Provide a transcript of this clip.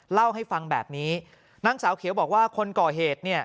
เล่าให้ฟังแบบนี้นางสาวเขียวบอกว่าคนก่อเหตุเนี่ย